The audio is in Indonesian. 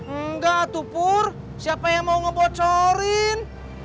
enggak tuh pur siapa yang mau ngebocorin